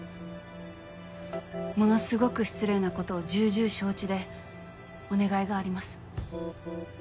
ものすごく失礼なことを重々承知でお願いがあります。